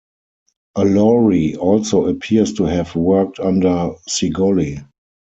Allori also appears to have worked under Cigoli.